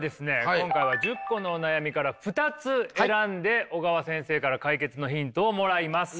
今回は１０個のお悩みから２つ選んで小川先生から解決のヒントをもらいます。